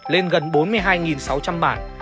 lên gần bốn mươi hai sáu trăm linh bản